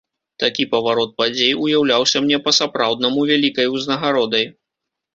Такі паварот падзей уяўляўся мне па-сапраўднаму вялікай узнагародай.